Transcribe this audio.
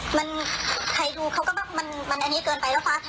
มันใครดูเขาก็บอกมันมันอันนี้เกินไปแล้วฟาสไทรโจร